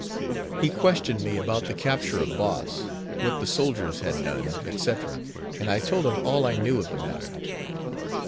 He questioned me about the capture of Boss, what the soldiers had done, etc., and I told him all I knew of the matter.